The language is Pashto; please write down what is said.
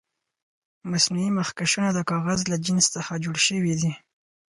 مصنوعي مخکشونه د کاغذ له جنس څخه جوړ شوي دي.